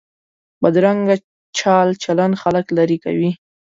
بدرنګه چال چلند خلک لرې کوي